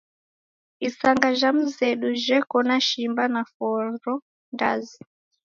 Isanga jha mzedu jheko na shimba na foro ndazi